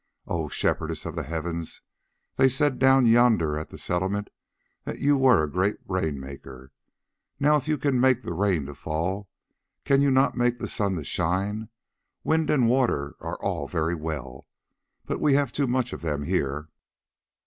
Oh! Shepherdess of the heavens, they said down yonder at the Settlement that you were a great rain maker: now if you can make the rain to fall, can you not make the sun to shine? Wind and water are all very well, but we have too much of them here."